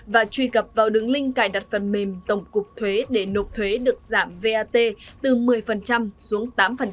và truy cập vào đường link cài đặt phần mềm tổng cục thuế để nộp thuế được giảm vat từ một mươi xuống tám